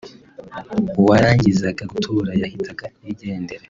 uwarangizaga gutora yahitaga yigendera